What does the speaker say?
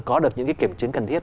có được những kiểm chứng cần thiết